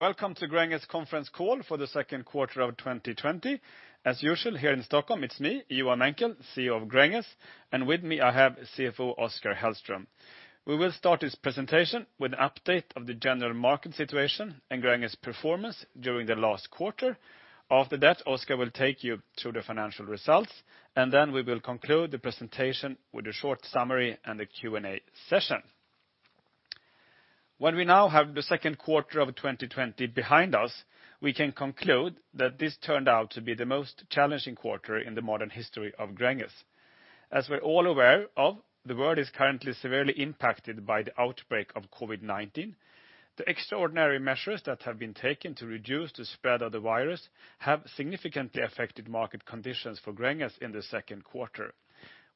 Welcome to Gränges conference call for the second quarter of 2020. As usual, here in Stockholm, it's me, Johan Menckel, CEO of Gränges, and with me I have CFO Oskar Hellström. We will start this presentation with an update of the general market situation and Gränges performance during the last quarter. After that, Oskar will take you through the financial results, and then we will conclude the presentation with a short summary and a Q&A session. When we now have the second quarter of 2020 behind us, we can conclude that this turned out to be the most challenging quarter in the modern history of Gränges. As we're all aware of, the world is currently severely impacted by the outbreak of COVID-19. The extraordinary measures that have been taken to reduce the spread of the virus have significantly affected market conditions for Gränges in the second quarter.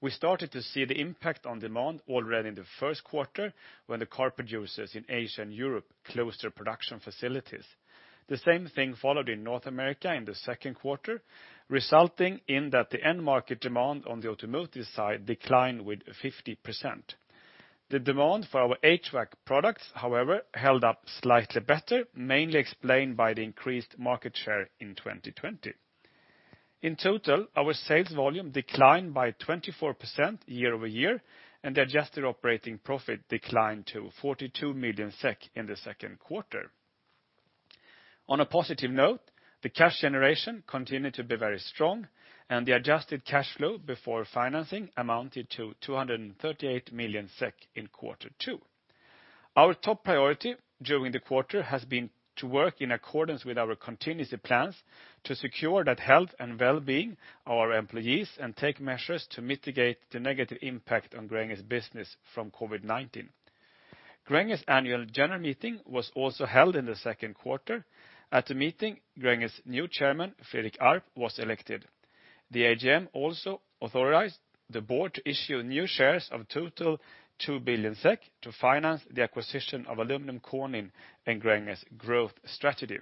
We started to see the impact on demand already in the first quarter, when the car producers in Asia and Europe closed their production facilities. The same thing followed in North America in the second quarter, resulting in that the end market demand on the automotive side declined with 50%. The demand for our HVAC products, however, held up slightly better, mainly explained by the increased market share in 2020. In total, our sales volume declined by 24% year-over-year, and the adjusted operating profit declined to 42 million SEK in the second quarter. On a positive note, the cash generation continued to be very strong, and the adjusted cash flow before financing amounted to 238 million SEK in quarter two. Our top priority during the quarter has been to work in accordance with our contingency plans to secure the health and wellbeing of our employees and take measures to mitigate the negative impact on Gränges business from COVID-19. Gränges annual general meeting was also held in the second quarter. At the meeting, Gränges new Chairman, Fredrik Arp, was elected. The AGM also authorized the board to issue new shares of total 2 billion SEK to finance the acquisition of Aluminium Konin and Gränges growth strategy.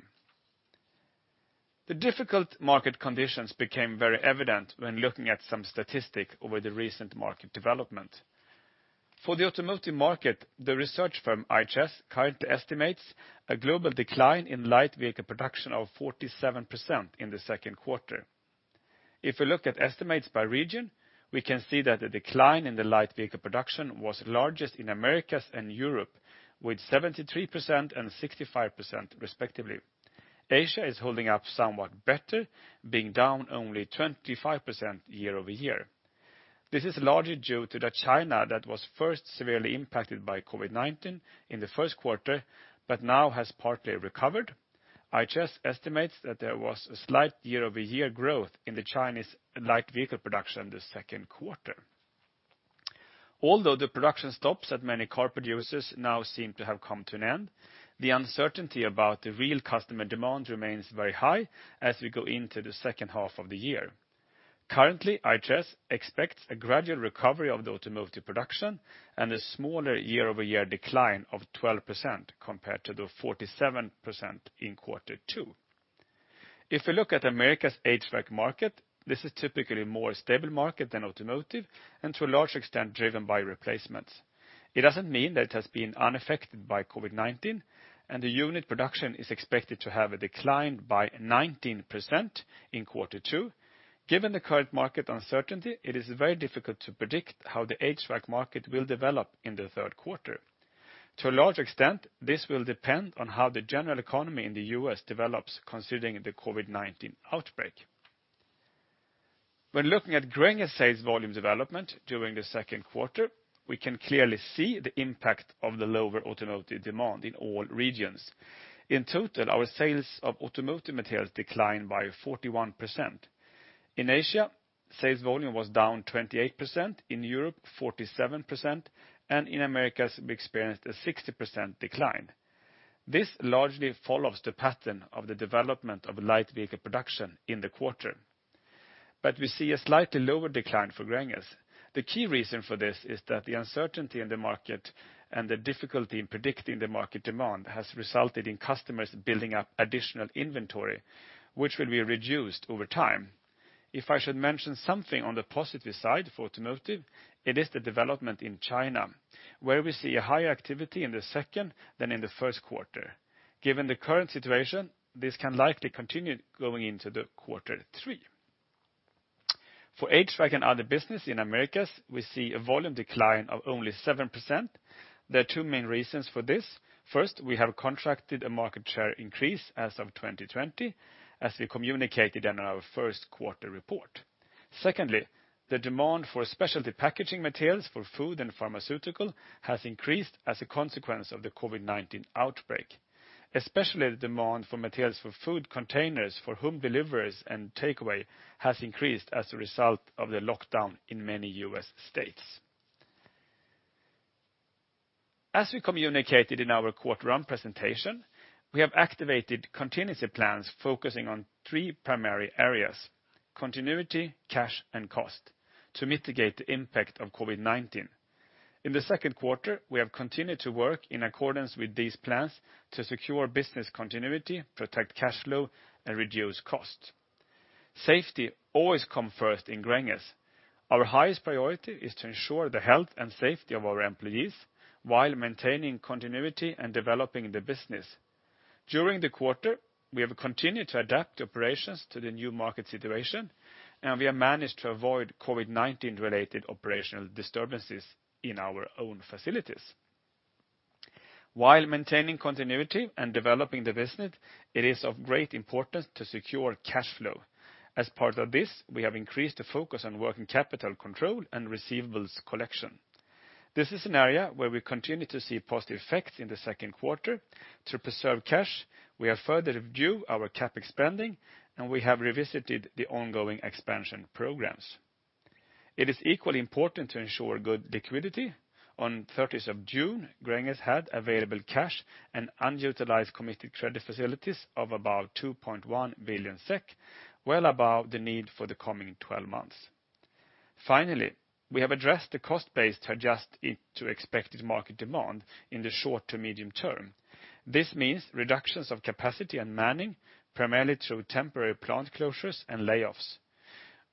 The difficult market conditions became very evident when looking at some statistics over the recent market development. For the automotive market, the research firm IHS currently estimates a global decline in light vehicle production of 47% in the second quarter. If we look at estimates by region, we can see that the decline in the light vehicle production was largest in Americas and Europe, with 73% and 65% respectively. Asia is holding up somewhat better, being down only 25% year-over-year. This is largely due to China, that was first severely impacted by COVID-19 in the first quarter, but now has partly recovered. IHS estimates that there was a slight year-over-year growth in the Chinese light vehicle production in the second quarter. Although the production stops at many car producers now seem to have come to an end, the uncertainty about the real customer demand remains very high as we go into the second half of the year. Currently, IHS expects a gradual recovery of the automotive production and a smaller year-over-year decline of 12% compared to the 47% in quarter two. If we look at America's HVAC market, this is typically a more stable market than automotive and to a large extent driven by replacements. It doesn't mean that it has been unaffected by COVID-19, and the unit production is expected to have declined by 19% in quarter two. Given the current market uncertainty, it is very difficult to predict how the HVAC market will develop in the third quarter. To a large extent, this will depend on how the general economy in the U.S. develops considering the COVID-19 outbreak. When looking at Gränges sales volume development during the second quarter, we can clearly see the impact of the lower automotive demand in all regions. In total, our sales of automotive materials declined by 41%. In Asia, sales volume was down 28%, in Europe 47%, and in Americas, we experienced a 60% decline. This largely follows the pattern of the development of light vehicle production in the quarter, but we see a slightly lower decline for Gränges. The key reason for this is that the uncertainty in the market and the difficulty in predicting the market demand has resulted in customers building up additional inventory, which will be reduced over time. If I should mention something on the positive side for automotive, it is the development in China, where we see a higher activity in the second than in the first quarter. Given the current situation, this can likely continue going into quarter three. For HVAC and other business in Americas, we see a volume decline of only 7%. There are two main reasons for this. First, we have contracted a market share increase as of 2020, as we communicated in our first quarter report. Secondly, the demand for specialty packaging materials for food and pharmaceutical has increased as a consequence of the COVID-19 outbreak. Especially the demand for materials for food containers for home deliveries and takeaway has increased as a result of the lockdown in many U.S. states. As we communicated in our quarter one presentation, we have activated contingency plans focusing on three primary areas, continuity, cash, and cost, to mitigate the impact of COVID-19. In the second quarter, we have continued to work in accordance with these plans to secure business continuity, protect cash flow, and reduce cost. Safety always come first in Gränges. Our highest priority is to ensure the health and safety of our employees while maintaining continuity and developing the business. During the quarter, we have continued to adapt operations to the new market situation, and we have managed to avoid COVID-19 related operational disturbances in our own facilities. While maintaining continuity and developing the business, it is of great importance to secure cash flow. As part of this, we have increased the focus on working capital control and receivables collection. This is an area where we continue to see positive effects in the second quarter. To preserve cash, we have further reviewed our CapEx spending, and we have revisited the ongoing expansion programs. It is equally important to ensure good liquidity. On 30th of June, Gränges had available cash and unutilized committed credit facilities of about 2.1 billion SEK, well above the need for the coming 12 months. Finally, we have addressed the cost base to adjust it to expected market demand in the short to medium term. This means reductions of capacity and manning, primarily through temporary plant closures and layoffs.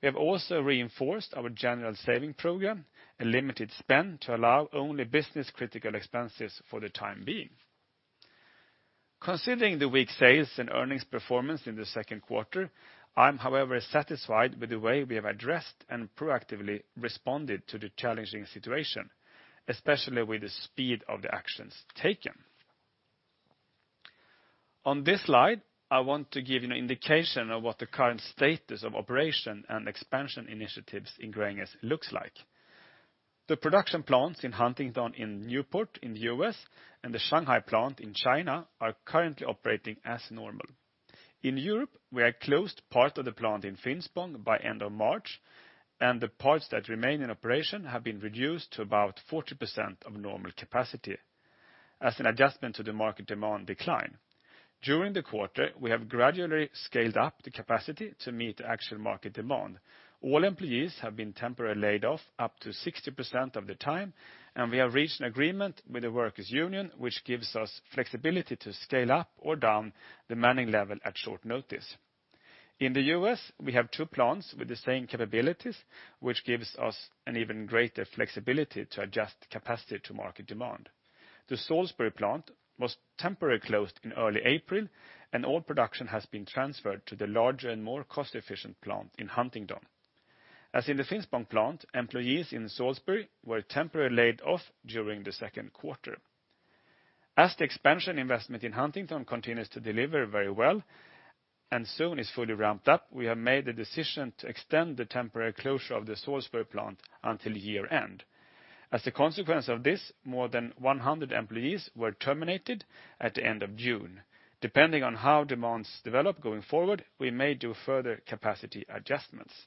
We have also reinforced our general saving program, a limited spend to allow only business critical expenses for the time being. Considering the weak sales and earnings performance in the second quarter, I'm however satisfied with the way we have addressed and proactively responded to the challenging situation, especially with the speed of the actions taken. On this slide, I want to give you an indication of what the current status of operation and expansion initiatives in Gränges looks like. The production plants in Huntington and Newport in the U.S. and the Shanghai plant in China are currently operating as normal. In Europe, we have closed part of the plant in Finspång by end of March, and the parts that remain in operation have been reduced to about 40% of normal capacity as an adjustment to the market demand decline. During the quarter, we have gradually scaled up the capacity to meet the actual market demand. All employees have been temporarily laid off up to 60% of the time, and we have reached an agreement with the workers' union, which gives us flexibility to scale up or down the manning level at short notice. In the U.S., we have two plants with the same capabilities, which gives us an even greater flexibility to adjust capacity to market demand. The Salisbury plant was temporarily closed in early April, and all production has been transferred to the larger and more cost-efficient plant in Huntington. As in the Finspång plant, employees in Salisbury were temporarily laid off during the second quarter. As the expansion investment in Huntington continues to deliver very well and soon is fully ramped up, we have made the decision to extend the temporary closure of the Salisbury plant until year-end. As a consequence of this, more than 100 employees were terminated at the end of June. Depending on how demands develop going forward, we may do further capacity adjustments.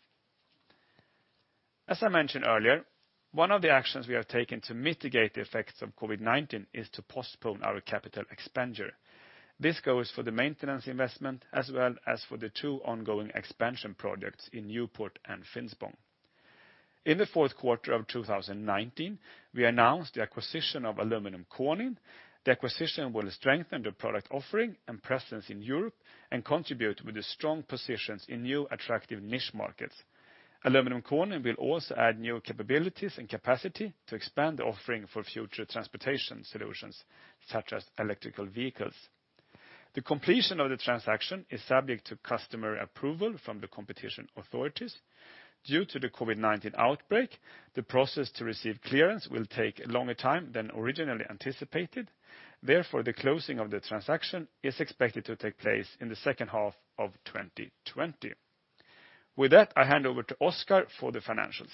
As I mentioned earlier, one of the actions we have taken to mitigate the effects of COVID-19 is to postpone our capital expenditure. This goes for the maintenance investment as well as for the two ongoing expansion projects in Newport and Finspång. In the fourth quarter of 2019, we announced the acquisition of Aluminium Konin. The acquisition will strengthen the product offering and presence in Europe and contribute with the strong positions in new attractive niche markets. Aluminium Konin will also add new capabilities and capacity to expand the offering for future transportation solutions, such as electrical vehicles. The completion of the transaction is subject to customer approval from the competition authorities. Due to the COVID-19 outbreak, the process to receive clearance will take a longer time than originally anticipated. The closing of the transaction is expected to take place in the second half of 2020. With that, I hand over to Oskar for the financials.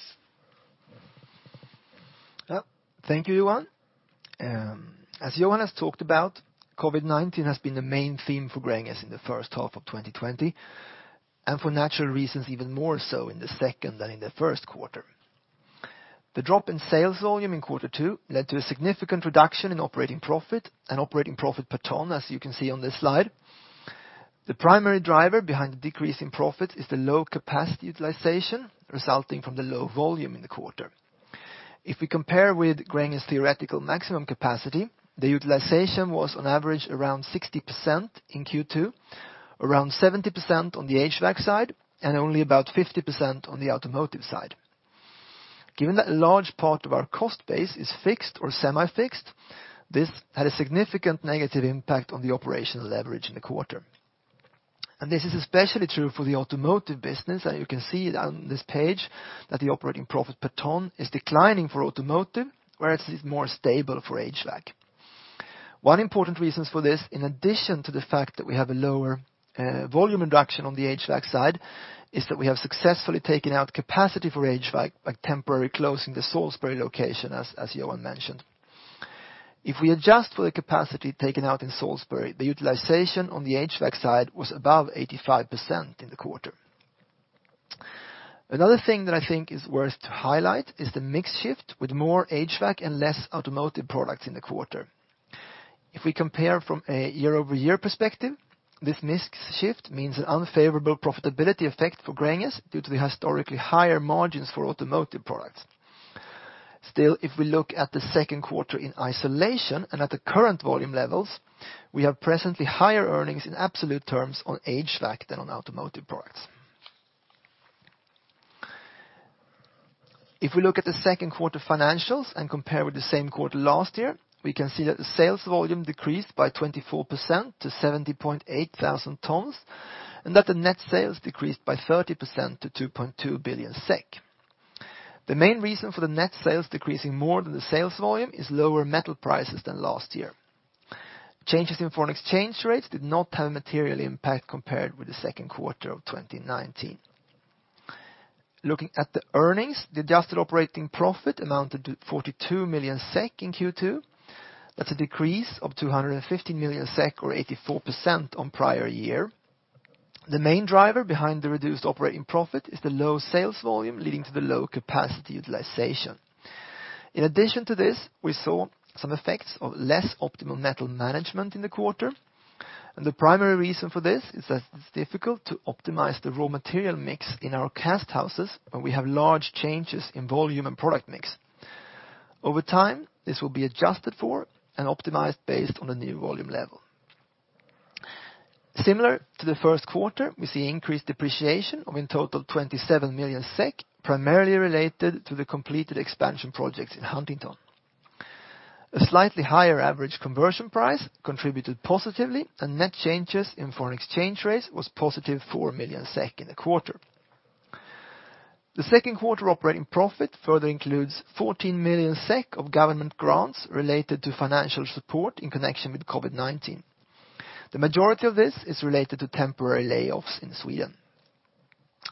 Thank you, Johan. As Johan has talked about, COVID-19 has been the main theme for Gränges in the first half of 2020, and for natural reasons, even more so in the second than in the first quarter. The drop in sales volume in quarter two led to a significant reduction in operating profit and operating profit per ton, as you can see on this slide. The primary driver behind the decrease in profits is the low capacity utilization resulting from the low volume in the quarter. If we compare with Gränges' theoretical maximum capacity, the utilization was on average around 60% in Q2, around 70% on the HVAC side, and only about 50% on the automotive side. Given that a large part of our cost base is fixed or semi-fixed, this had a significant negative impact on the operational leverage in the quarter. This is especially true for the automotive business, and you can see it on this page that the operating profit per ton is declining for automotive, whereas it is more stable for HVAC. One important reasons for this, in addition to the fact that we have a lower volume reduction on the HVAC side, is that we have successfully taken out capacity for HVAC by temporarily closing the Salisbury location, as Johan mentioned. If we adjust for the capacity taken out in Salisbury, the utilization on the HVAC side was above 85% in the quarter. Another thing that I think is worth to highlight is the mix shift with more HVAC and less automotive products in the quarter. If we compare from a year-over-year perspective, this mix shift means an unfavorable profitability effect for Gränges due to the historically higher margins for automotive products. If we look at the second quarter in isolation and at the current volume levels, we have presently higher earnings in absolute terms on HVAC than on automotive products. If we look at the second quarter financials and compare with the same quarter last year, we can see that the sales volume decreased by 24% to 70,800 tons, and that the net sales decreased by 30% to 2.2 billion SEK. The main reason for the net sales decreasing more than the sales volume is lower metal prices than last year. Changes in foreign exchange rates did not have a material impact compared with the second quarter of 2019. Looking at the earnings, the adjusted operating profit amounted to 42 million SEK in Q2. That's a decrease of 250 million SEK or 84% on prior year. The main driver behind the reduced operating profit is the low sales volume, leading to the low capacity utilization. In addition to this, we saw some effects of less optimal metal management in the quarter, and the primary reason for this is that it's difficult to optimize the raw material mix in our cast houses when we have large changes in volume and product mix. Over time, this will be adjusted for and optimized based on the new volume level. Similar to the first quarter, we see increased depreciation of in total 27 million SEK, primarily related to the completed expansion projects in Huntington. A slightly higher average conversion price contributed positively, and net changes in foreign exchange rates was positive 4 million SEK in the quarter. The second quarter operating profit further includes 14 million SEK of government grants related to financial support in connection with COVID-19. The majority of this is related to temporary layoffs in Sweden.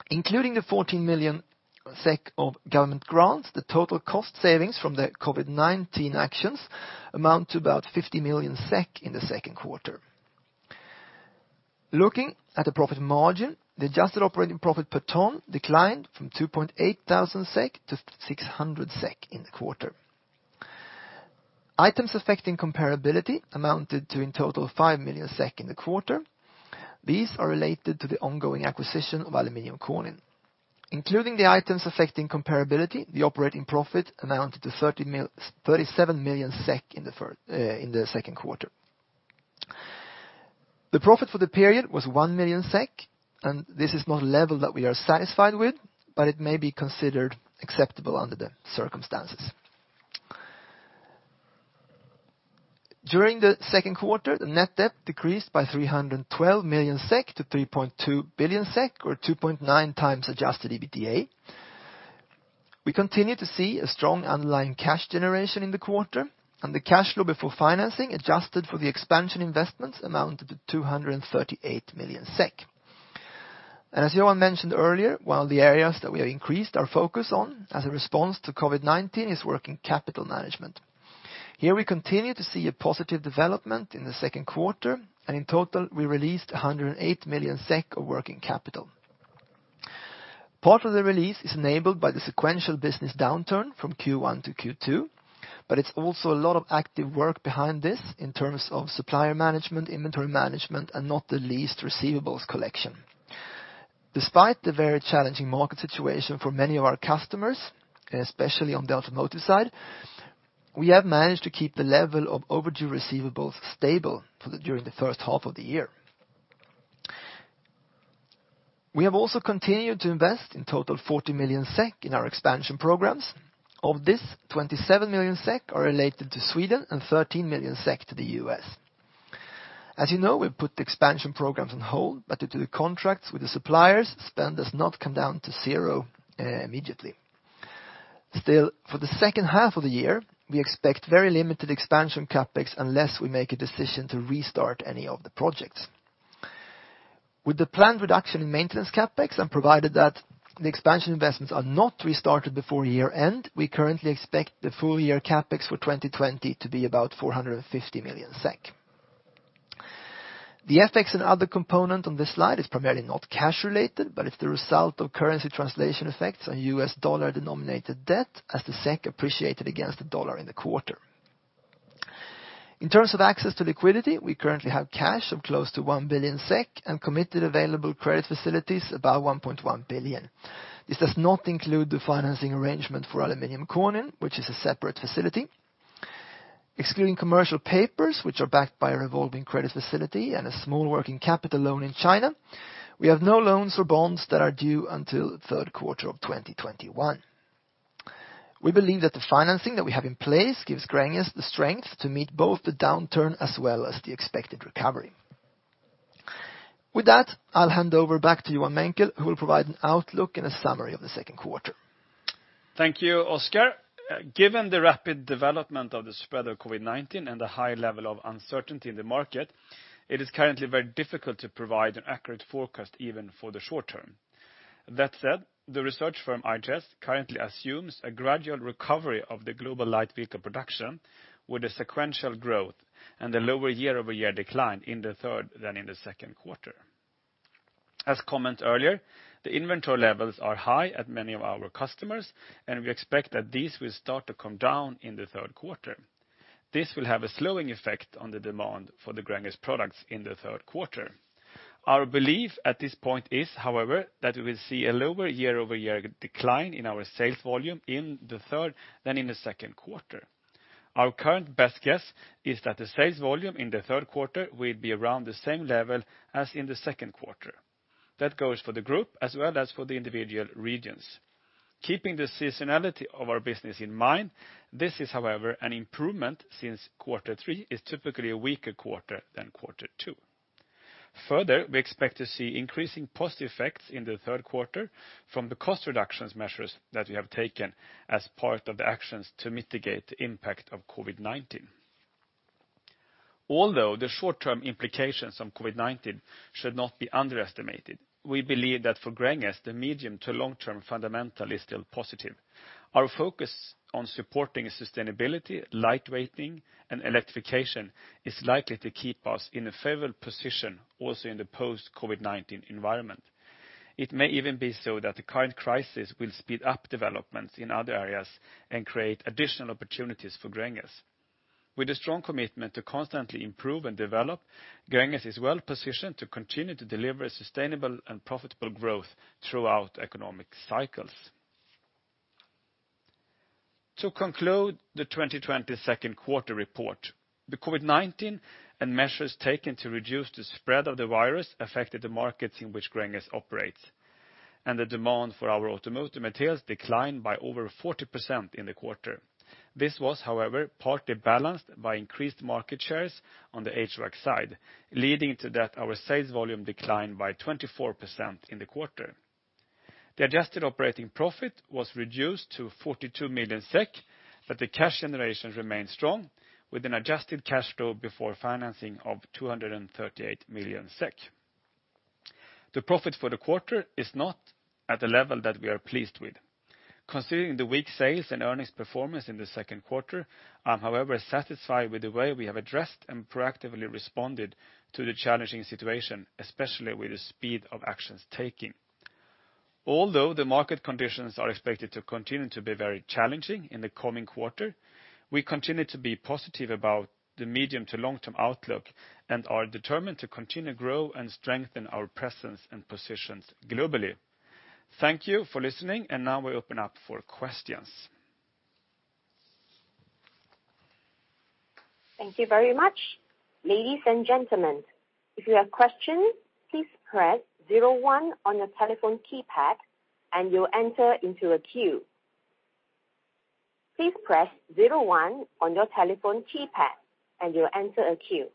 Including the 14 million SEK of government grants, the total cost savings from the COVID-19 actions amount to about 50 million SEK in the second quarter. Looking at the profit margin, the adjusted operating profit per ton declined from 2,800 SEK to 600 SEK in the quarter. Items affecting comparability amounted to, in total, 5 million SEK in the quarter. These are related to the ongoing acquisition of Aluminium Konin. Including the items affecting comparability, the operating profit amounted to 37 million SEK in the second quarter. The profit for the period was 1 million SEK, and this is not a level that we are satisfied with, but it may be considered acceptable under the circumstances. During the second quarter, the net debt decreased by 312 million SEK to 3.2 billion SEK, or 2.9 times adjusted EBITDA. We continue to see a strong underlying cash generation in the quarter. The cash flow before financing, adjusted for the expansion investments, amounted to 238 million SEK. As Johan mentioned earlier, one of the areas that we have increased our focus on as a response to COVID-19 is working capital management. Here, we continue to see a positive development in the second quarter. In total, we released 108 million SEK of working capital. Part of the release is enabled by the sequential business downturn from Q1 to Q2, but it's also a lot of active work behind this in terms of supplier management, inventory management, and not the least, receivables collection. Despite the very challenging market situation for many of our customers, especially on the automotive side, we have managed to keep the level of overdue receivables stable during the first half of the year. We have also continued to invest in total 40 million SEK in our expansion programs. Of this, 27 million SEK are related to Sweden and 13 million SEK to the U.S. As you know, we've put the expansion programs on hold, due to the contracts with the suppliers, spend does not come down to zero immediately. Still, for the second half of the year, we expect very limited expansion CapEx unless we make a decision to restart any of the projects. With the planned reduction in maintenance CapEx, and provided that the expansion investments are not restarted before year-end, we currently expect the full-year CapEx for 2020 to be about 450 million SEK. The effects and other component on this slide is primarily not cash related, but it's the result of currency translation effects on U.S. dollar-denominated debt as the SEK appreciated against the U.S. dollar in the quarter. In terms of access to liquidity, we currently have cash of close to 1 billion SEK and committed available credit facilities above 1.1 billion. This does not include the financing arrangement for Aluminium Konin, which is a separate facility. Excluding commercial papers, which are backed by a revolving credit facility and a small working capital loan in China, we have no loans or bonds that are due until the third quarter of 2021. We believe that the financing that we have in place gives Gränges the strength to meet both the downturn as well as the expected recovery. With that, I'll hand over back to Johan Menckel, who will provide an outlook and a summary of the second quarter. Thank you, Oskar. Given the rapid development of the spread of COVID-19 and the high level of uncertainty in the market, it is currently very difficult to provide an accurate forecast, even for the short term. The research firm IHS currently assumes a gradual recovery of the global light vehicle production with a sequential growth and a lower year-over-year decline in the third than in the second quarter. As commented earlier, the inventory levels are high at many of our customers, and we expect that these will start to come down in the third quarter. This will have a slowing effect on the demand for the Gränges products in the third quarter. Our belief at this point is, however, that we will see a lower year-over-year decline in our sales volume in the third than in the second quarter. Our current best guess is that the sales volume in the third quarter will be around the same level as in the second quarter. That goes for the group as well as for the individual regions. Keeping the seasonality of our business in mind, this is, however, an improvement since quarter 3 is typically a weaker quarter than quarter 2. Further, we expect to see increasing positive effects in the third quarter from the cost reductions measures that we have taken as part of the actions to mitigate the impact of COVID-19. Although the short-term implications of COVID-19 should not be underestimated, we believe that for Gränges, the medium to long-term fundamental is still positive. Our focus on supporting sustainability, light weighting, and electrification is likely to keep us in a favorable position also in the post-COVID-19 environment. It may even be so that the current crisis will speed up developments in other areas and create additional opportunities for Gränges. With a strong commitment to constantly improve and develop, Gränges is well positioned to continue to deliver sustainable and profitable growth throughout economic cycles. To conclude the 2020 second quarter report, the COVID-19 and measures taken to reduce the spread of the virus affected the markets in which Gränges operates, and the demand for our automotive materials declined by over 40% in the quarter. This was, however, partly balanced by increased market shares on the HVAC side, leading to that our sales volume declined by 24% in the quarter. The adjusted operating profit was reduced to 42 million SEK, but the cash generation remained strong, with an adjusted cash flow before financing of 238 million SEK. The profit for the quarter is not at a level that we are pleased with. Considering the weak sales and earnings performance in the second quarter, I'm, however, satisfied with the way we have addressed and proactively responded to the challenging situation, especially with the speed of actions taking. Although the market conditions are expected to continue to be very challenging in the coming quarter, we continue to be positive about the medium to long-term outlook and are determined to continue to grow and strengthen our presence and positions globally. Thank you for listening, and now we open up for questions. Thank you very much. Ladies and gentlemen, if you have questions, please press zero one on your telephone keypad, and you enter into a queue. Please press zero one on your telephone keypad, and you enter a queue.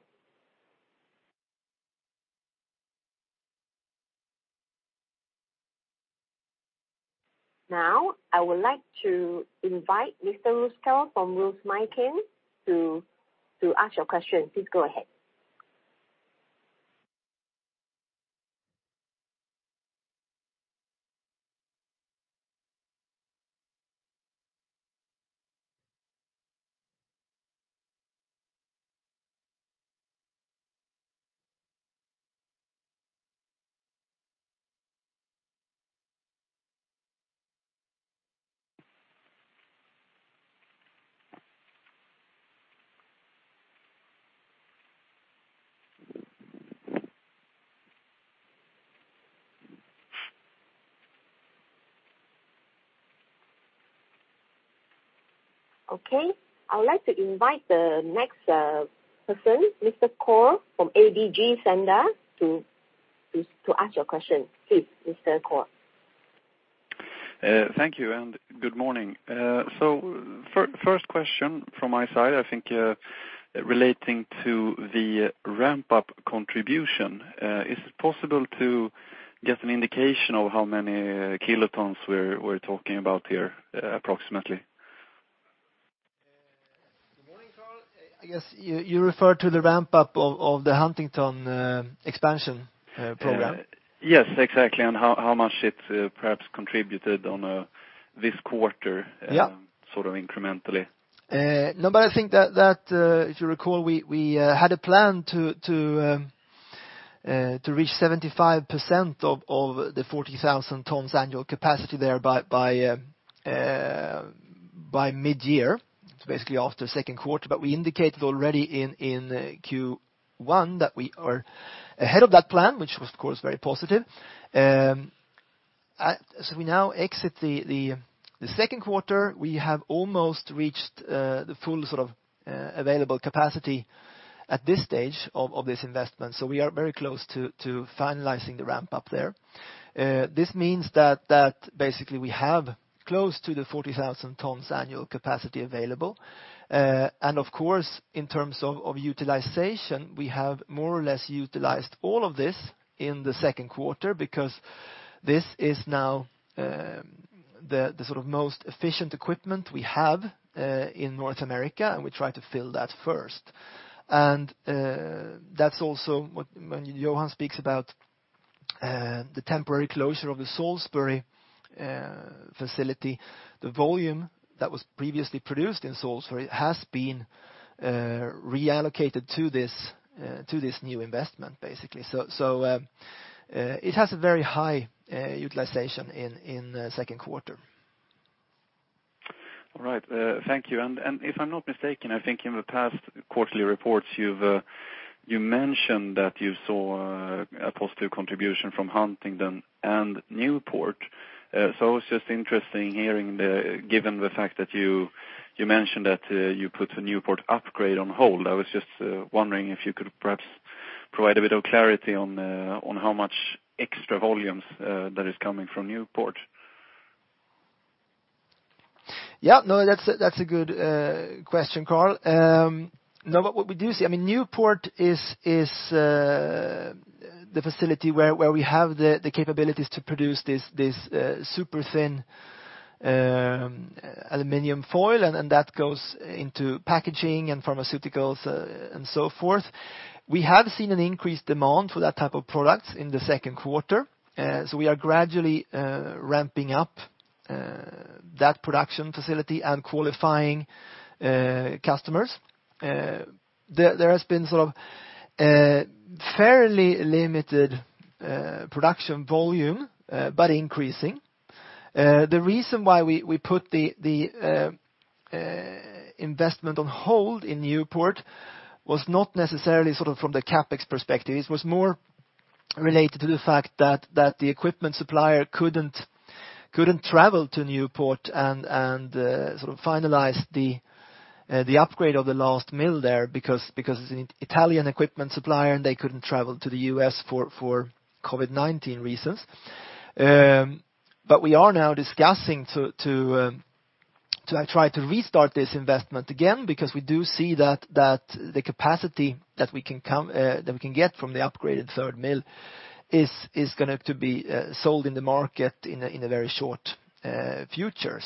Now, I would like to invite Mr. Rustell from Rootes Maykin to ask your question. Please go ahead. Okay, I would like to invite the next person, Mr. Cole from ABG Sundal Collier, to ask your question. Please, Mr. Cole. Thank you and good morning. First question from my side, I think relating to the ramp-up contribution. Is it possible to get an indication of how many kilotons we're talking about here, approximately? Good morning, Cole. I guess you refer to the ramp-up of the Huntington expansion program? Yes, exactly. How much it perhaps contributed on this quarter. Yeah sort of incrementally. I think that, if you recall, we had a plan to reach 75% of the 40,000 tons annual capacity there by mid-year. It's basically after second quarter, but we indicated already in Q1 that we are ahead of that plan, which was, of course, very positive. As we now exit the second quarter, we have almost reached the full available capacity at this stage of this investment, so we are very close to finalizing the ramp-up there. This means that basically we have close to the 40,000 tons annual capacity available. Of course, in terms of utilization, we have more or less utilized all of this in the second quarter because this is now the most efficient equipment we have in North America, and we try to fill that first. That's also what Johan speaks about, the temporary closure of the Salisbury facility. The volume that was previously produced in Salisbury has been reallocated to this new investment, basically. It has a very high utilization in the second quarter. All right. Thank you. If I'm not mistaken, I think in the past quarterly reports, you mentioned that you saw a positive contribution from Huntington and Newport. It's just interesting hearing, given the fact that you mentioned that you put a Newport upgrade on hold, I was just wondering if you could perhaps provide a bit of clarity on how much extra volumes that is coming from Newport? No, that's a good question, Carl. What we do see, Newport is the facility where we have the capabilities to produce this super thin aluminum foil, and that goes into packaging and pharmaceuticals and so forth. We have seen an increased demand for that type of product in the second quarter. We are gradually ramping up that production facility and qualifying customers. There has been fairly limited production volume, but increasing. The reason why we put the investment on hold in Newport was not necessarily from the CapEx perspective. It was more related to the fact that the equipment supplier couldn't travel to Newport and finalize the upgrade of the last mill there, because it's an Italian equipment supplier, and they couldn't travel to the U.S. for COVID-19 reasons. We are now discussing to try to restart this investment again, because we do see that the capacity that we can get from the upgraded third mill is going to be sold in the market in the very short future.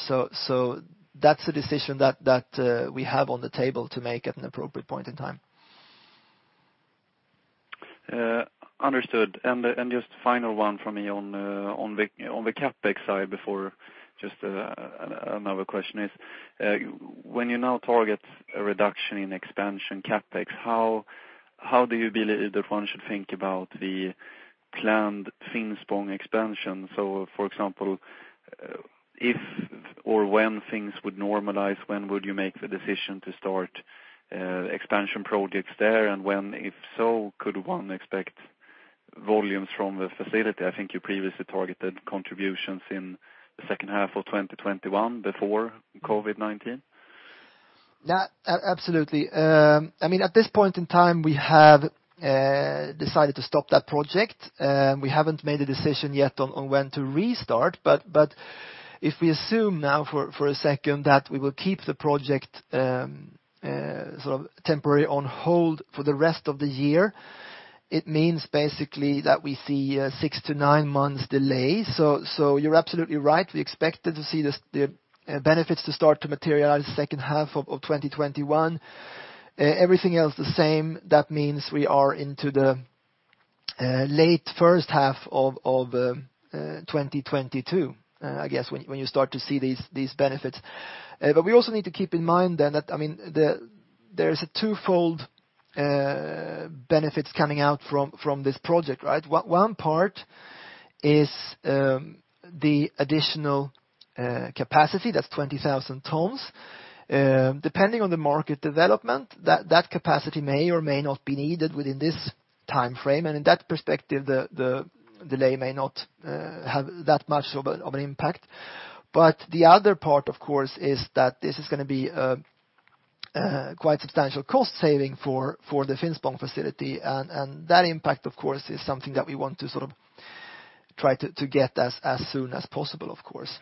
That's a decision that we have on the table to make at an appropriate point in time. Understood. Just final one from me on the CapEx side before just another question is, when you now target a reduction in expansion CapEx, how do you believe that one should think about the planned Finspång expansion? For example, if or when things would normalize, when would you make the decision to start expansion projects there? When, if so, could one expect volumes from the facility? I think you previously targeted contributions in the second half of 2021 before COVID-19. Yeah, absolutely. At this point in time, we have decided to stop that project. We haven't made a decision yet on when to restart, but if we assume now for a second that we will keep the project temporarily on hold for the rest of the year, it means basically that we see six to nine months delay. You're absolutely right. We expected to see the benefits to start to materialize second half of 2021. Everything else the same, that means we are into the late first half of 2022, I guess, when you start to see these benefits. We also need to keep in mind then that there is a twofold benefits coming out from this project. One part is the additional capacity, that's 20,000 tons. Depending on the market development, that capacity may or may not be needed within this time frame. In that perspective, the delay may not have that much of an impact. The other part, of course, is that this is going to be quite substantial cost saving for the Finspång facility. That impact, of course, is something that we want to try to get as soon as possible, of course.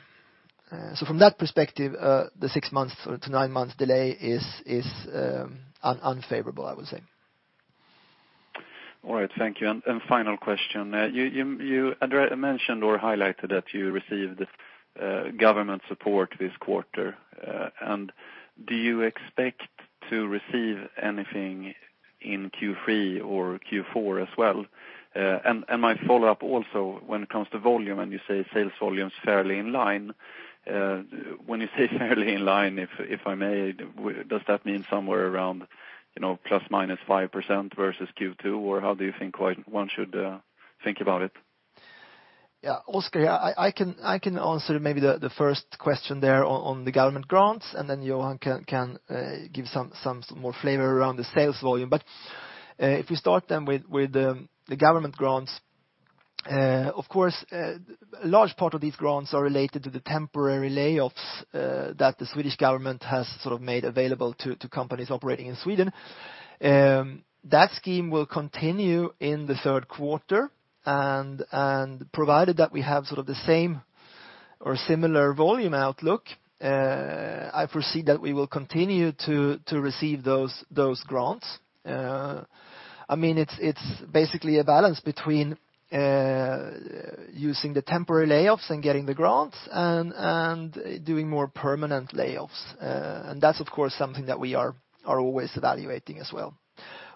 From that perspective, the 6 months to 9 months delay is unfavorable, I would say. All right, thank you. Final question. You mentioned or highlighted that you received government support this quarter. Do you expect to receive anything in Q3 or Q4 as well? My follow-up also, when it comes to volume, you say sales volume's fairly in line. When you say fairly in line, if I may, does that mean somewhere around plus/minus 5% versus Q2? How do you think one should think about it? Yeah, Oskar, I can answer maybe the first question there on the government grants, and then Johan can give some more flavor around the sales volume. If you start then with the government grants, of course, a large part of these grants are related to the temporary layoffs that the Swedish government has made available to companies operating in Sweden. That scheme will continue in the third quarter, and provided that we have the same or similar volume outlook, I foresee that we will continue to receive those grants. It's basically a balance between using the temporary layoffs and getting the grants, and doing more permanent layoffs. That's, of course, something that we are always evaluating as well.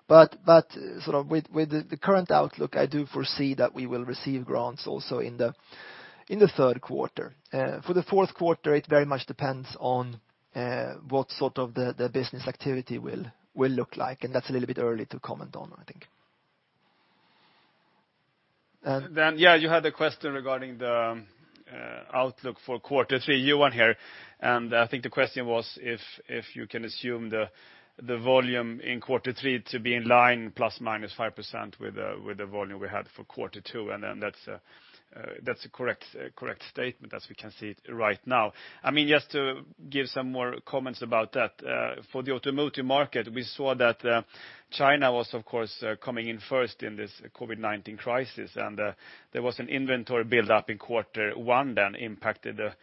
With the current outlook, I do foresee that we will receive grants also in the third quarter. For the fourth quarter, it very much depends on what the business activity will look like, and that's a little bit early to comment on, I think. You had a question regarding the outlook for quarter three. Johan here, and I think the question was if you can assume the volume in quarter three to be in line plus or minus 5% with the volume we had for quarter two, and then that's a correct statement as we can see it right now. Just to give some more comments about that, for the automotive market, we saw that China was, of course, coming in first in this COVID-19 crisis, and there was an inventory buildup in quarter one that impacted the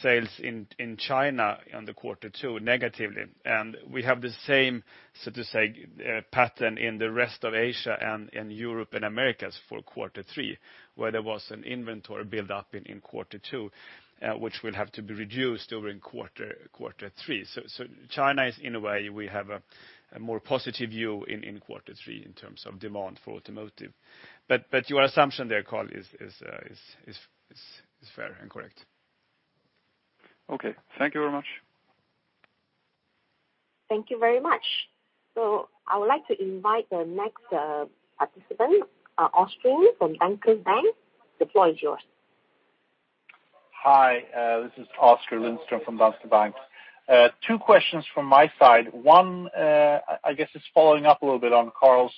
sales in China in the quarter two negatively. We have the same, so to say, pattern in the rest of Asia and in Europe and Americas for quarter three, where there was an inventory buildup in quarter two, which will have to be reduced during quarter three. China is, in a way, we have a more positive view in quarter three in terms of demand for automotive. Your assumption there, Carl, is fair and correct. Okay. Thank you very much. Thank you very much. I would like to invite the next participant, Oskar Lindström from Danske Bank. The floor is yours. Hi, this is Oskar Lindström from Danske Bank. Two questions from my side. One, I guess it's following up a little bit on Cole's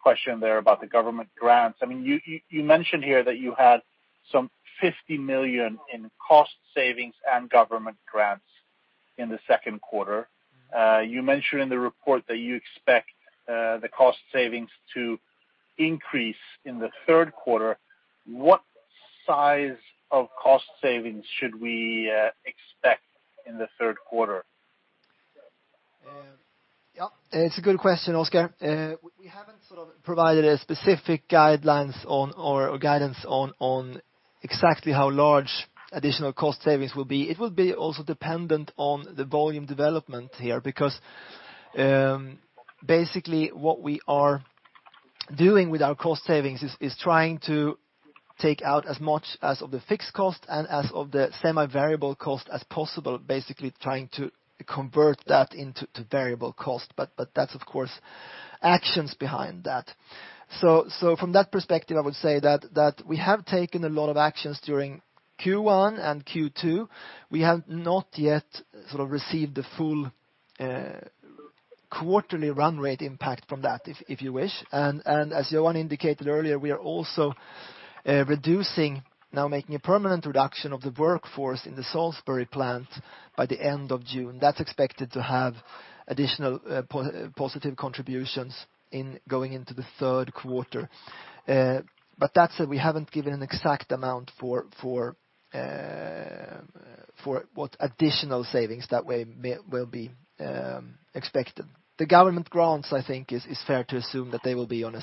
question there about the government grants. You mentioned here that you had some 50 million in cost savings and government grants in the second quarter. You mentioned in the report that you expect the cost savings to increase in the third quarter. What size of cost savings should we expect in the third quarter? It's a good question, Oskar. We haven't sort of provided a specific guidelines or guidance on exactly how large additional cost savings will be. Basically what we are doing with our cost savings is trying to take out as much as of the fixed cost and as of the semi-variable cost as possible, basically trying to convert that into variable cost. That's of course, actions behind that. From that perspective, I would say that we have taken a lot of actions during Q1 and Q2. We have not yet sort of received the full quarterly run rate impact from that, if you wish. As Johan indicated earlier, we are also reducing, now making a permanent reduction of the workforce in the Salisbury plant by the end of June. That's expected to have additional positive contributions going into the third quarter. That said, we haven't given an exact amount for what additional savings that way will be expected. The government grants, I think is fair to assume that they will be on a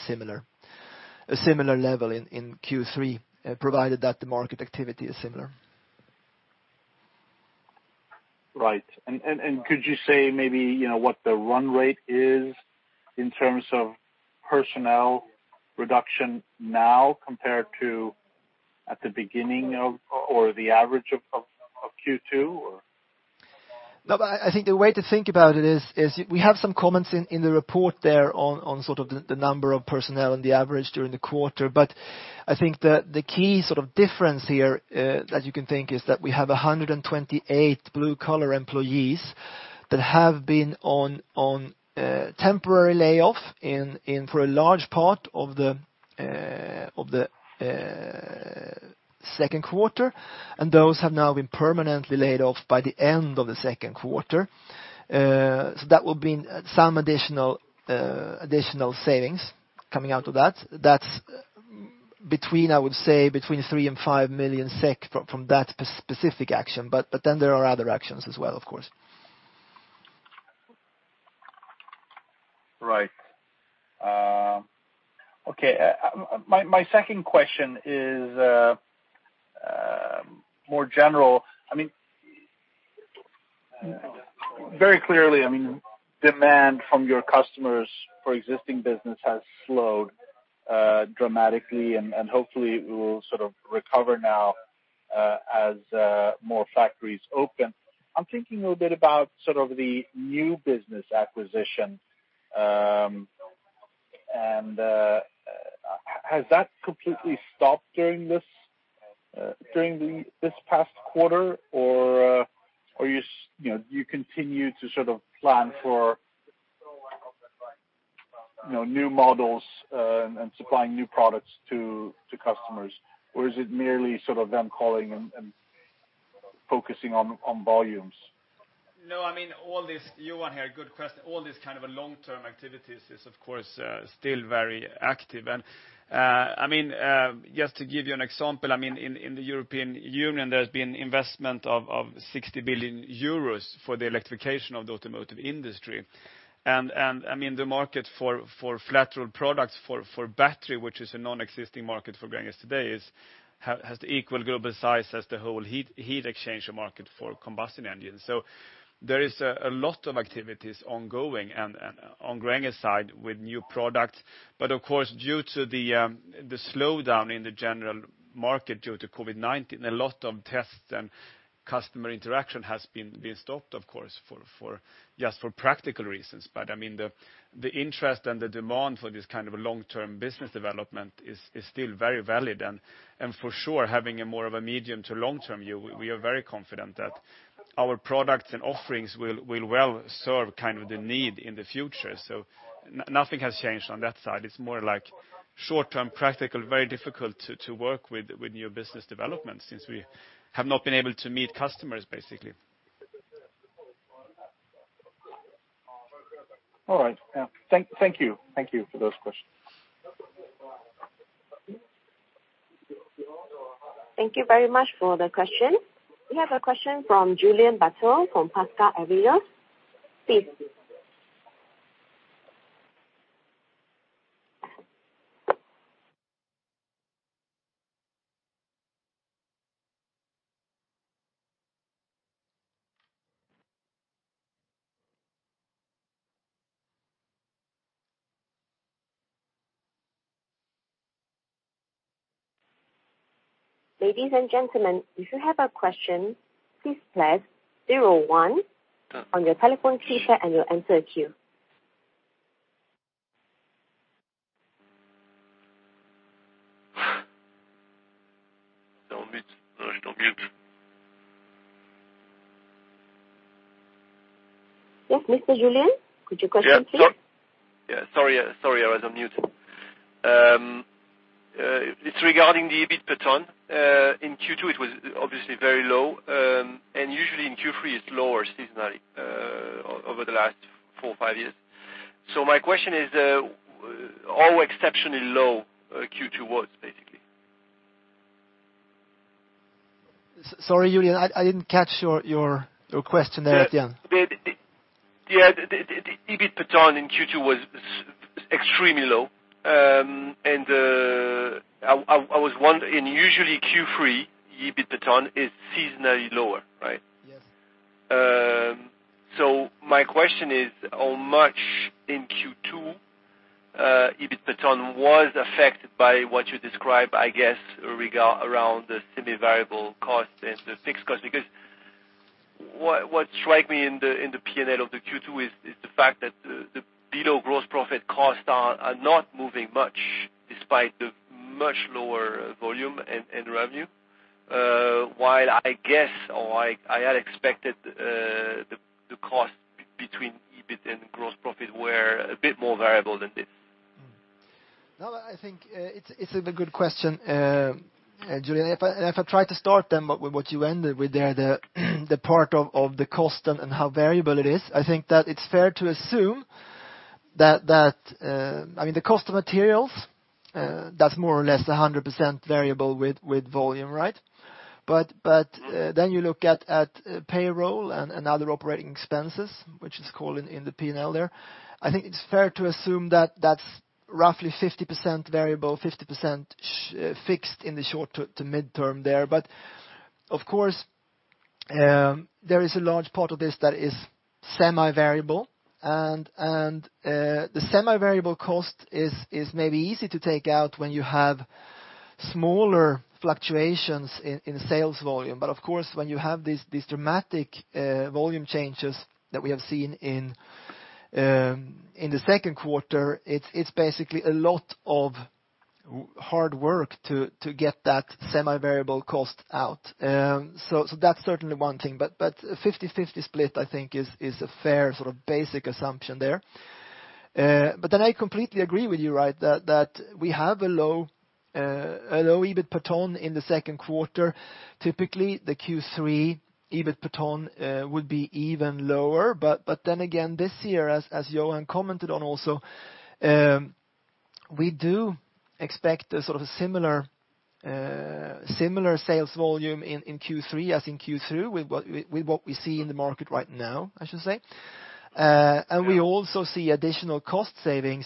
similar level in Q3, provided that the market activity is similar. Right. Could you say maybe, what the run rate is in terms of personnel reduction now compared to at the beginning of, or the average of Q2, or? I think the way to think about it is we have some comments in the report there on sort of the number of personnel and the average during the quarter. I think the key sort of difference here, that you can think is that we have 128 blue-collar employees that have been on temporary layoff for a large part of the second quarter, and those have now been permanently laid off by the end of the second quarter. That will mean some additional savings coming out of that. That's between, I would say, between 3 million and 5 million SEK from that specific action. Then there are other actions as well, of course. Right. Okay. My second question is more general. Very clearly, demand from your customers for existing business has slowed dramatically, and hopefully it will sort of recover now as more factories open. I'm thinking a little bit about the new business acquisition. Has that completely stopped during this past quarter, or you continue to sort of plan for new models, and supplying new products to customers, or is it merely sort of them calling and focusing on volumes? No, I mean, Johan here, good question. All these kind of long-term activities is, of course, still very active. Just to give you an example, in the European Union, there's been investment of 60 billion euros for the electrification of the automotive industry. The market for flat roll products for battery, which is a non-existing market for Gränges today has the equal global size as the whole heat exchange market for combustion engines. There is a lot of activities ongoing and on Gränges' side with new products. Of course, due to the slowdown in the general market due to COVID-19, a lot of tests and customer interaction has been stopped, of course, just for practical reasons. The interest and the demand for this kind of long-term business development is still very valid. For sure, having a more of a medium to long-term view, we are very confident that our products and offerings will well serve the need in the future. Nothing has changed on that side. It's more short-term practical, very difficult to work with new business developments, since we have not been able to meet customers, basically. All right. Yeah. Thank you. Thank you for those questions. Thank you very much for the question. We have a question from Julian Baton from Pasca Avios. Please. Ladies and gentlemen, if you have a question, please press zero one on your telephone keypad, and it will enter a queue. You're on mute. Yes. Mr. Julian, could you question, please? Yeah. Sorry, I was on mute. It's regarding the EBIT per ton. In Q2, it was obviously very low. Usually in Q3, it's lower seasonally over the last four or five years. My question is, how exceptionally low Q2 was, basically? Sorry, Julian, I didn't catch your question there at the end. Yeah. The EBIT per ton in Q2 was extremely low. Usually Q3 EBIT per ton is seasonally lower, right? Yes. My question is, how much in Q2 EBIT per ton was affected by what you describe, I guess, around the semi-variable cost and the fixed cost? What strike me in the P&L of the Q2 is the fact that the below gross profit costs are not moving much despite the much lower volume and revenue. While I guess, or I had expected the cost between EBIT and gross profit were a bit more variable than this. I think it's a good question, Julian. If I try to start with what you ended with there, the part of the cost and how variable it is, I think that it's fair to assume that the cost of materials, that's more or less 100% variable with volume, right? You look at payroll and other operating expenses, which is called in the P&L there. I think it's fair to assume that that's roughly 50% variable, 50% fixed in the short to midterm there. Of course, there is a large part of this that is semi-variable. The semi-variable cost is maybe easy to take out when you have smaller fluctuations in sales volume. Of course, when you have these dramatic volume changes that we have seen in the second quarter, it's basically a lot of hard work to get that semi-variable cost out. That's certainly one thing. 50/50 split, I think is a fair sort of basic assumption there. I completely agree with you that we have a low EBIT per ton in the second quarter. Typically, the Q3 EBIT per ton would be even lower. Again, this year, as Johan commented on also, we do expect a sort of similar sales volume in Q3 as in Q2, with what we see in the market right now, I should say. We also see additional cost savings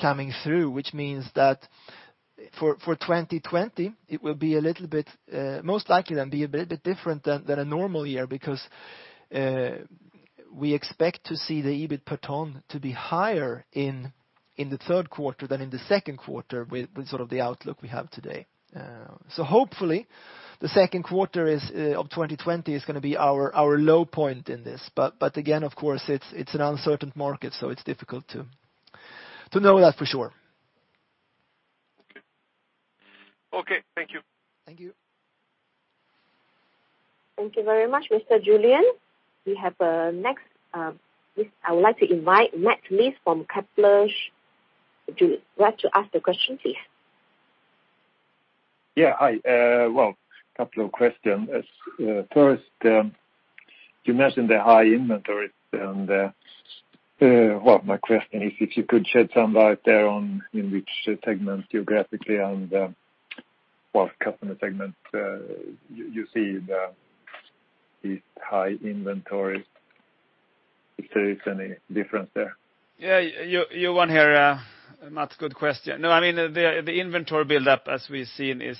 coming through, which means that for 2020, it will most likely then be a little bit different than a normal year, because we expect to see the EBIT per ton to be higher in the third quarter than in the second quarter with the sort of the outlook we have today. Hopefully, the second quarter of 2020 is going to be our low point in this. Again, of course, it's an uncertain market, so it's difficult to know that for sure. Okay. Thank you. Thank you. Thank you very much, Mr. Julian. I would like to invite Mats Liss from Kepler Cheuvreux to ask the question, please. Yeah. Hi. Well, a couple of questions. First, you mentioned the high inventory. Well, my question is if you could shed some light there on in which segment geographically and what customer segments you see these high inventories, if there is any difference there. Yeah. Johan here. Mats, good question. The inventory buildup as we've seen is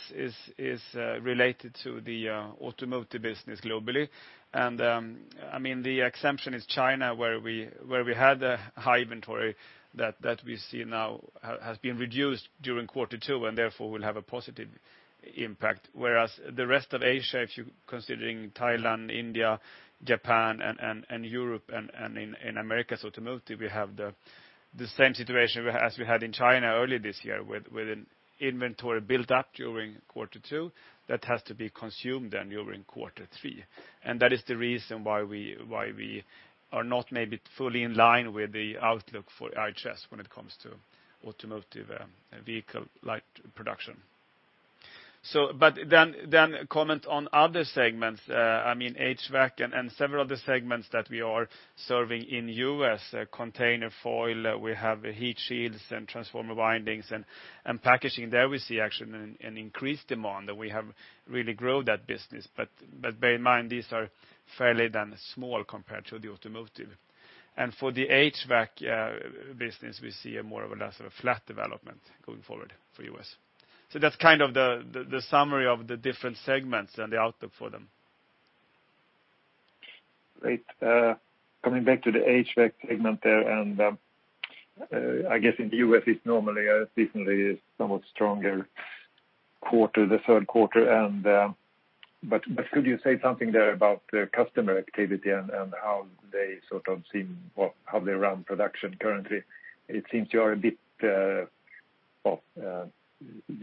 related to the automotive business globally. The exemption is China, where we had a high inventory that we see now has been reduced during Q2, and therefore will have a positive impact. The rest of Asia, if you're considering Thailand, India, Japan, and Europe, and in America's automotive, we have the same situation as we had in China earlier this year with an inventory built up during Q2 that has to be consumed then during Q3. That is the reason why we are not maybe fully in line with the outlook for IHS when it comes to automotive vehicle light production. Comment on other segments, HVAC and several other segments that we are serving in U.S., container foil. We have heat shields and transformer windings and packaging. There we see actually an increased demand that we have really grown that business. Bear in mind, these are fairly then small compared to the automotive. For the HVAC business, we see a more of a less of a flat development going forward for U.S. That's kind of the summary of the different segments and the outlook for them. Great. Coming back to the HVAC segment there, and I guess in the U.S. it's normally a seasonally somewhat stronger quarter, the third quarter, but could you say something there about the customer activity and how they run production currently? It seems you are a bit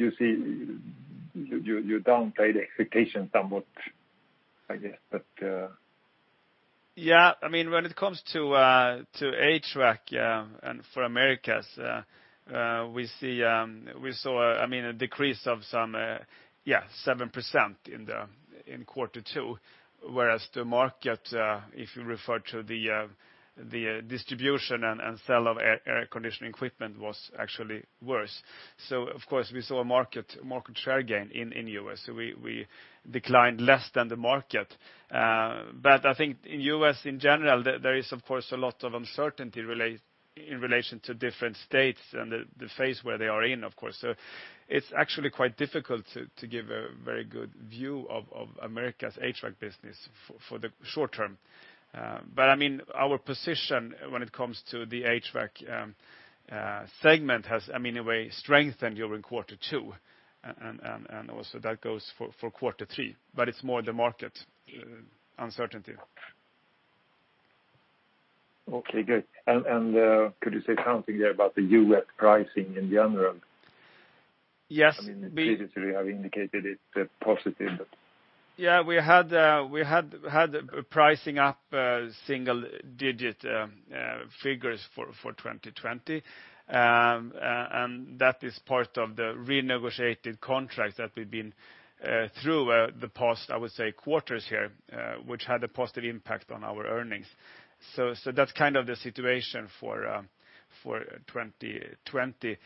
off. You downplay the expectations somewhat, I guess. Yeah. When it comes to HVAC, for Americas, we saw a decrease of some 7% in Q2, whereas the market, if you refer to the distribution and sale of air conditioning equipment, was actually worse. Of course, we saw a market share gain in U.S. We declined less than the market. I think in U.S. in general, there is, of course, a lot of uncertainty in relation to different states and the phase where they are in, of course. It's actually quite difficult to give a very good view of America's HVAC business for the short term. Our position when it comes to the HVAC segment has, in a way, strengthened during Q2, and also that goes for Q3. It's more the market uncertainty. Okay, good. Could you say something there about the U.S. pricing in general? Yes. You have indicated it positive. Yeah, we had pricing up single-digit figures for 2020. That is part of the renegotiated contracts that we've been through the past, I would say, quarters here, which had a positive impact on our earnings. That's kind of the situation for 2020.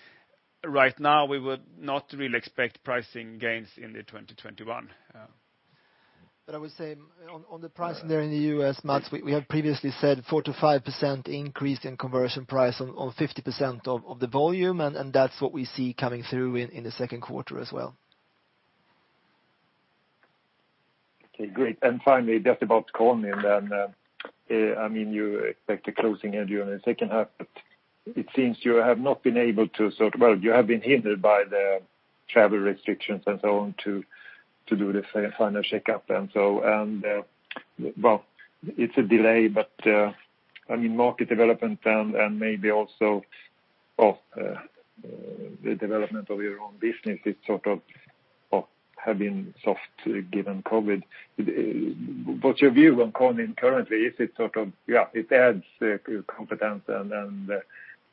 Right now, we would not really expect pricing gains in the 2021. I would say on the pricing there in the U.S., Mats, we have previously said 4%-5% increase in conversion price on 50% of the volume, and that's what we see coming through in the second quarter as well. Okay, great. Finally, just about Konin then. You expect the closing during the second half, but it seems you have been hindered by the travel restrictions and so on to do the final checkup. Well, it's a delay, but market development and maybe also the development of your own business have been soft given COVID-19. What's your view on Konin currently? It adds competence and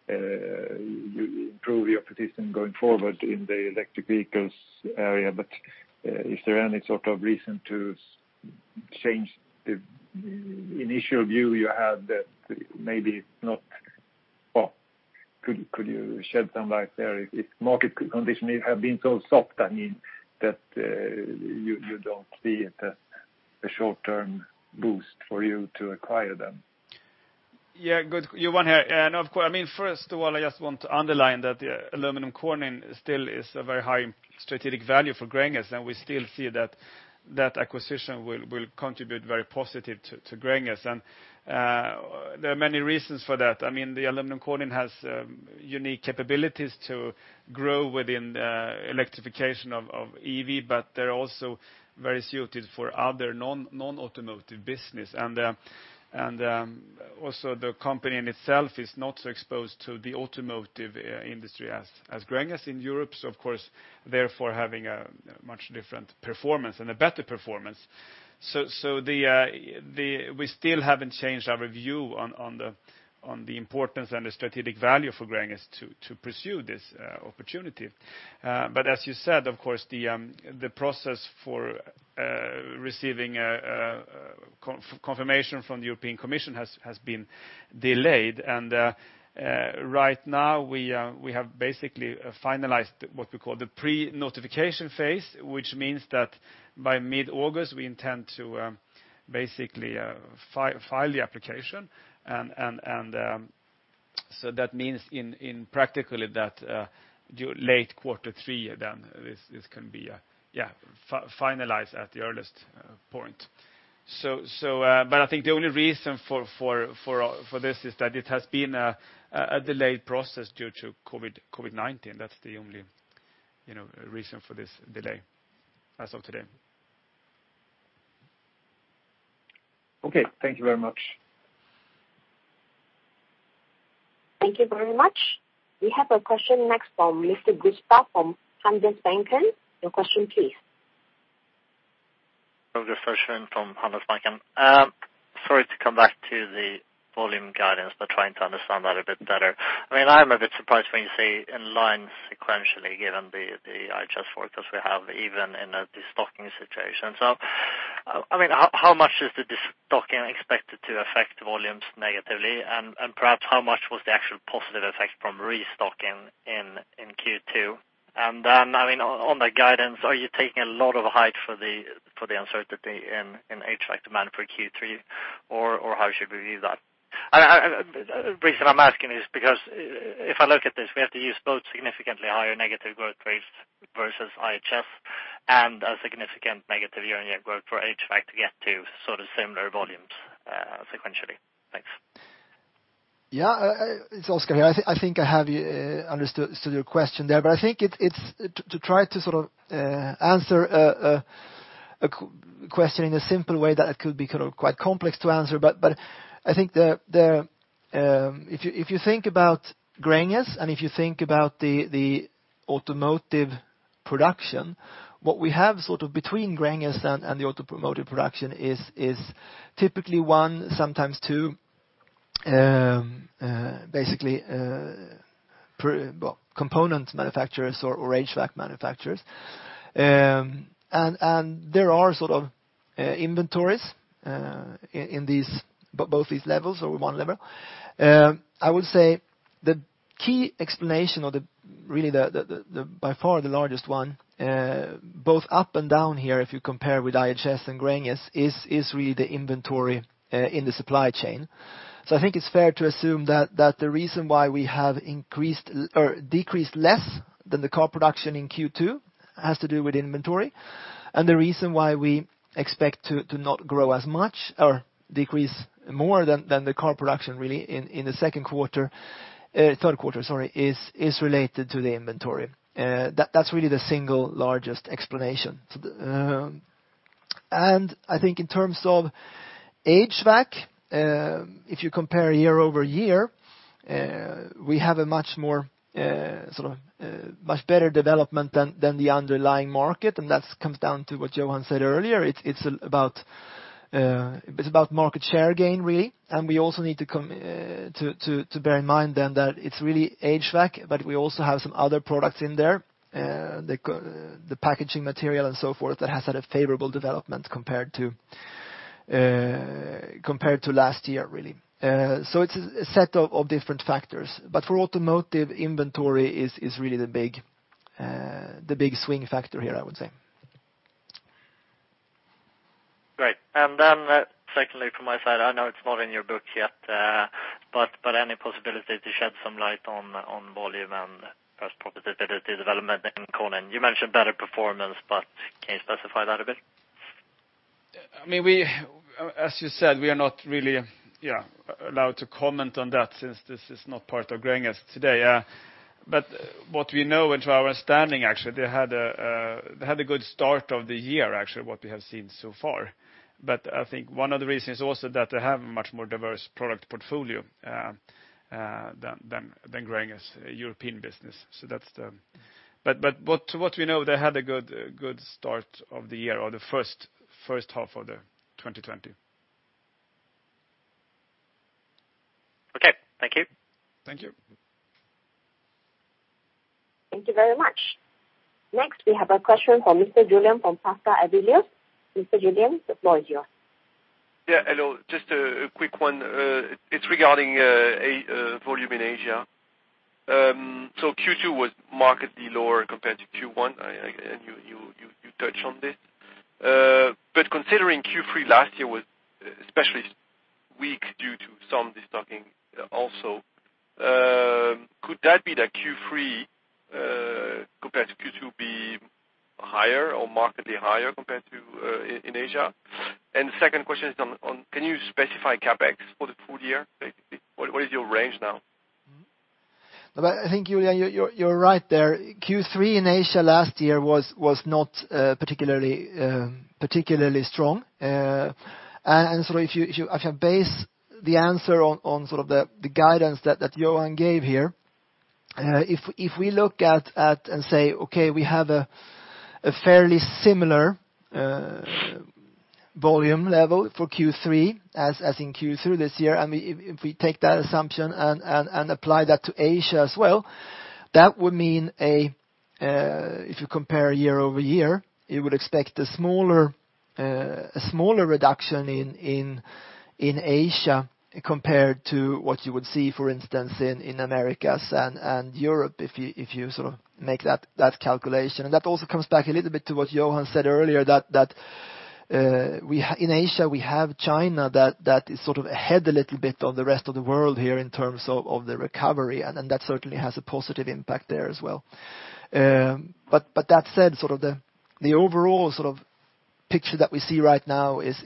you improve your position going forward in the electric vehicles area. Is there any sort of reason to change the initial view you had that maybe could you shed some light there if market conditions have been so soft that you don't see it a short-term boost for you to acquire them? Yeah. Good. Johan here. Of course, first of all, I just want to underline that Aluminium Konin still is a very high strategic value for Gränges, we still see that that acquisition will contribute very positive to Gränges. There are many reasons for that. Aluminium Konin has unique capabilities to grow within the electrification of EV, they're also very suited for other non-automotive business. Also the company in itself is not so exposed to the automotive industry as Gränges in Europe, of course, therefore, having a much different performance and a better performance. We still haven't changed our view on the importance and the strategic value for Gränges to pursue this opportunity. As you said, of course, the process for receiving confirmation from the European Commission has been delayed. Right now we have basically finalized what we call the pre-notification phase, which means that by mid-August, we intend to basically file the application. That means practically that late Q3, this can be finalized at the earliest point. I think the only reason for this is that it has been a delayed process due to COVID-19. That's the only reason for this delay as of today. Okay, thank you very much. Thank you very much. We have a question next from Mr. Gusta from Handelsbanken. Your question, please. Roger Söchting from Handelsbanken. Sorry to come back to the volume guidance, trying to understand that a bit better. I am a bit surprised when you say in line sequentially, given the IHS forecast we have, even in a destocking situation. How much is the destocking expected to affect volumes negatively? Perhaps how much was the actual positive effect from restocking in Q2? On the guidance, are you taking a lot of height for the uncertainty in HVAC demand for Q3, how should we view that? The reason I'm asking is because if I look at this, we have to use both significantly higher negative growth rates versus IHS and a significant negative year-on-year growth for HVAC to get to sort of similar volumes sequentially. Thanks. Yeah. It's Oskar here. I think I have understood your question there, but I think to try to answer a question in a simple way that it could be quite complex to answer, but I think if you think about Gränges, and if you think about the automotive production, what we have sort of between Gränges and the automotive production is typically one, sometimes two, basically component manufacturers or HVAC manufacturers. There are inventories in both these levels or one level. I would say the key explanation or by far the largest one both up and down here, if you compare with IHS and Gränges, is really the inventory in the supply chain. I think it's fair to assume that the reason why we have decreased less than the car production in Q2 has to do with inventory. The reason why we expect to not grow as much or decrease more than the car production really in the second quarter, third quarter, sorry, is related to the inventory. That's really the single largest explanation. I think in terms of HVAC, if you compare year-over-year, we have a much better development than the underlying market, and that comes down to what Johan said earlier. It's about market share gain, really. We also need to bear in mind then that it's really HVAC, but we also have some other products in there, the packaging material and so forth, that has had a favorable development compared to last year, really. It's a set of different factors, but for automotive, inventory is really the big swing factor here, I would say. Great. Secondly, from my side, I know it's not in your book yet, but any possibility to shed some light on volume and first profitability development in Konin. You mentioned better performance, but can you specify that a bit? As you said, we are not really allowed to comment on that since this is not part of Gränges today. What we know and to our understanding, actually, they had a good start of the year, actually, what we have seen so far. I think one of the reasons also that they have a much more diverse product portfolio than Gränges European business. What we know, they had a good start of the year or the first half of 2020. Okay. Thank you. Thank you. Thank you very much. Next, we have a question from Mr. Julian from. Mr. Julian, the floor is yours. Yeah. Hello, just a quick one. It's regarding volume in Asia. Q2 was markedly lower compared to Q1, and you touched on this. Considering Q3 last year was especially weak due to some destocking also, could that be that Q3 compared to Q2 be higher or markedly higher compared to in Asia? The second question is on, can you specify CapEx for the full year? What is your range now? I think, Julian, you're right there. Q3 in Asia last year was not particularly strong. If I base the answer on the guidance that Johan gave here, if we look at and say, okay, we have a fairly similar volume level for Q3 as in Q2 this year, if we take that assumption and apply that to Asia as well, that would mean if you compare year-over-year, you would expect a smaller reduction in Asia compared to what you would see, for instance, in Americas and Europe if you make that calculation. That also comes back a little bit to what Johan said earlier, that in Asia, we have China that is ahead a little bit on the rest of the world here in terms of the recovery, and that certainly has a positive impact there as well. That said, the overall picture that we see right now is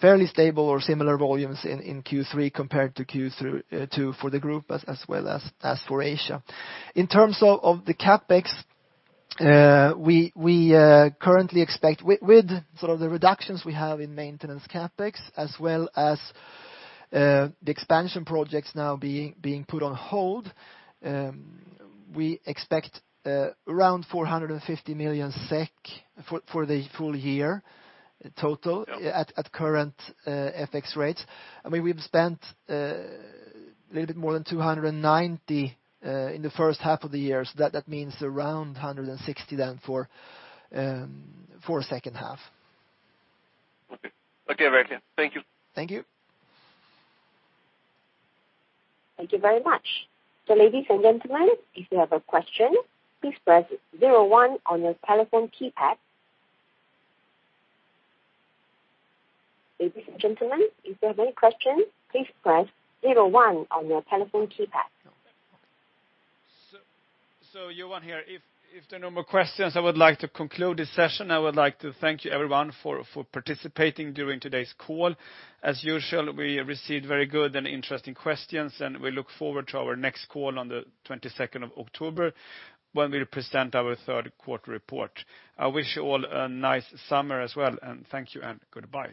fairly stable or similar volumes in Q3 compared to Q2 for the group as well as for Asia. In terms of the CapEx, with the reductions we have in maintenance CapEx as well as the expansion projects now being put on hold, we expect around 450 million SEK for the full year total at current FX rates. We've spent a little bit more than 290 in the first half of the year, so that means around 160 then for second half. Okay. Very clear. Thank you. Thank you. Thank you very much. Ladies and gentlemen, if you have a question, please press 01 on your telephone keypad. Ladies and gentlemen, if you have any questions, please press 01 on your telephone keypad. Johan here. If there are no more questions, I would like to conclude this session. I would like to thank you, everyone, for participating during today's call. As usual, we received very good and interesting questions, and we look forward to our next call on the 22nd of October when we present our third quarter report. I wish you all a nice summer as well, and thank you, and goodbye.